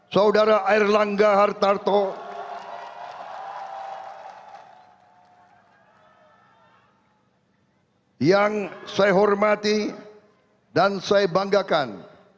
salam sejahtera bagi kita sekalian